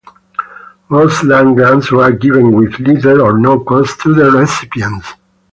Most land grants were given with little or no cost to the recipients.